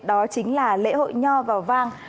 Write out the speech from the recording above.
đó chính là lễ hội nho vào vang